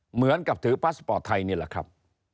เหมือนกับถือพาสปอร์ตไทยนี่แหละครับ